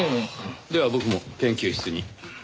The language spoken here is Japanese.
では僕も研究室に。